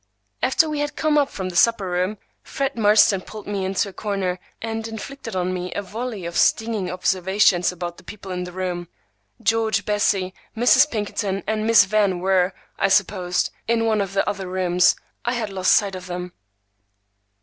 After we had come up from the supper room, Fred Marston pulled me into a corner, and inflicted on me a volley of stinging observations about the people in the room. George, Bessie, Mrs. Pinkerton, and Miss Van were, I supposed, in one of the other rooms; I had lost sight of them.